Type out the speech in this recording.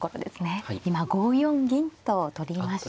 今５四銀と取りました。